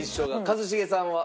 一茂さんは？